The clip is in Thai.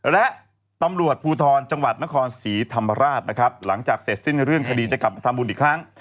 และตำรวจภูทรจังหวัดนครศรีธรรมราชนะครับหลังจากเสร็จสิ้นเรื่องคดีจะกลับมาทำบุญอีกครั้ง